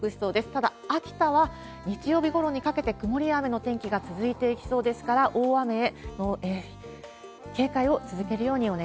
ただ、秋田は日曜日ごろにかけて曇りや雨の天気が続いていきそうですかいってらっしゃい！